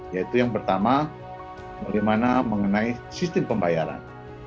yaitu yang pertama bagaimana mengenai sistem pembayaran